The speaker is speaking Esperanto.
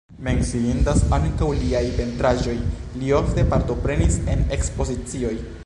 Menciindas ankaŭ liaj pentraĵoj, li ofte partoprenis en ekspozicioj.